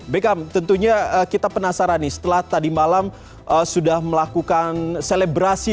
bekam tentunya kita penasaran nih setelah tadi malam sudah melakukan selebrasi